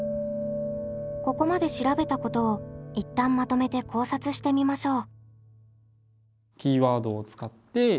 ここまで調べたことを一旦まとめて考察してみましょう。